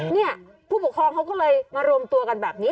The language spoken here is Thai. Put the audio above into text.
เนี่ยผู้ปกครองเขาก็เลยมารวมตัวกันแบบนี้